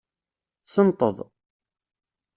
Senteḍ.